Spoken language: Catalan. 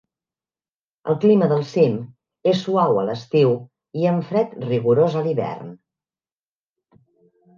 El clima del cim és suau a l'estiu i amb fred rigorós a l'hivern.